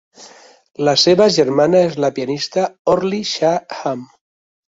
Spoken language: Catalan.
La seva germana és la pianista Orli Shaham.